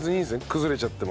崩れちゃっても。